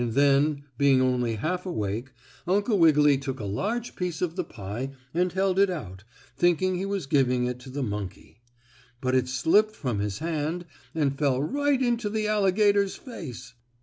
And then, being only half awake, Uncle Wiggily took a large piece of the pie and held it out, thinking he was giving it to the monkey. But it slipped from his hand and it fell right into the alligator's face.